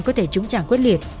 có thể trúng trả quyết liệt